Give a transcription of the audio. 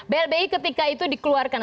blbi ketika itu dikeluarkan